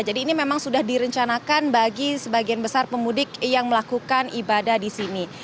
jadi ini memang sudah direncanakan bagi sebagian besar pemudik yang melakukan ibadah di sini